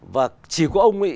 và chỉ có ông ấy